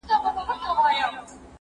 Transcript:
زه کولای سم دا کار وکړم!.